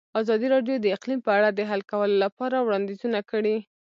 ازادي راډیو د اقلیم په اړه د حل کولو لپاره وړاندیزونه کړي.